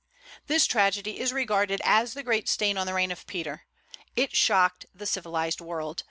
This tragedy is regarded as the great stain on the reign of Peter. It shocked the civilized world.